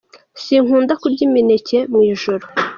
Si nkunda kurya imineke mu ijoro.